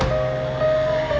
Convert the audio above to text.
terima kasih bu